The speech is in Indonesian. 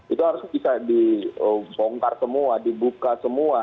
itu harus bisa dibongkar semua dibuka semua